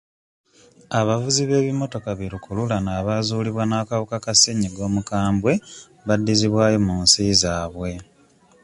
Abavuzi b'ebimmotoka bi lukululana abaazuulibwa n'akawuka ka ssennyiga omukambwe baddizibwayo mu nsi zaabwe.